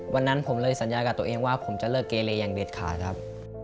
วันนั้นผมเลยสัญญากับตัวเองว่าผมจะเลิกเกเลอย่างเด็ดขาดครับ